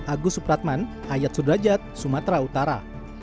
agus supratman ayat sudrajat sumatera utara